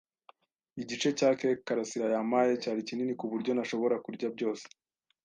Igice cya cake karasira yampaye cyari kinini kuburyo ntashobora kurya byose.